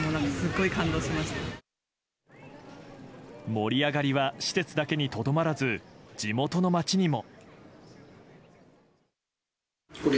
盛り上がりは施設だけにとどまらず地元の街にも。